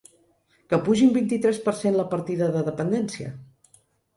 Que pugi un vint-i-tres per cent la partida de dependència?